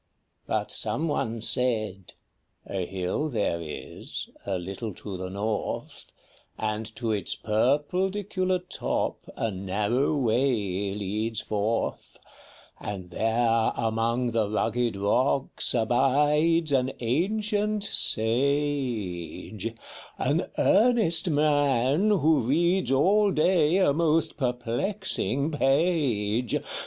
But some one said, " A hill there is, a little to the north, And to its purpledicular top a narrow way leads forth ; And there among the rugged rocks abides an ancient Sage, â An earnest Man, who reads all day a most perplexing page.